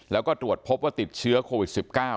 แล้วก็ตรวจพบว่าติดเชื้อโควิด๑๙